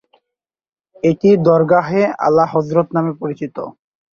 এটি দরগাহ-এ-আলা হযরত নামে পরিচিত।